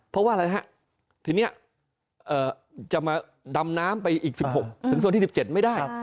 เพราะว่าทีนี้จะมาดำน้ำไปอีก๑๖ถึงเวลาที่๑๗ไม่ได้